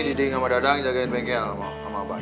diding sama dadang jagain bengkel sama abah ya